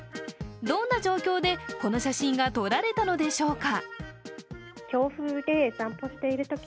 どんな状況でこの写真が撮られたのでしょうか。